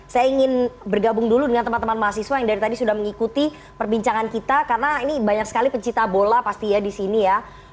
saya ingin bergabung dulu dengan teman teman mahasiswa yang dari tadi sudah mengikuti perbincangan kita karena ini banyak sekali pencipta bola pasti ya di sini ya